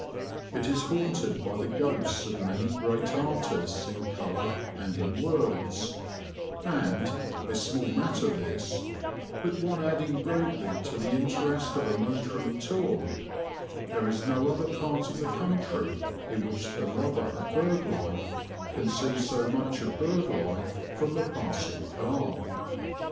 It is haunted by the ghosts of many great artists in colour and in words; and a small matter this, but one adding greatly to the interest of a motoring tour there is no other part of the country in which the lover of bird life can see so much of bird life from the passing car.